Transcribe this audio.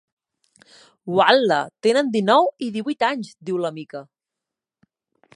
Ual·la, tenen dinou i divuit anys —diu la Mica—.